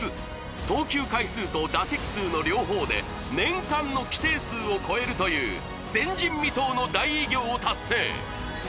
投球回数と打席数の両方で年間の規定数を超えるという前人未到の大偉業を達成！